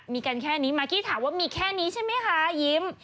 มีกันแค่นี้มากกี้ถามว่ามีแค่นี้ใช่ไหมคะยิ้ม